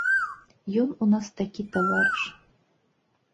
Ён у нас такі таварыш.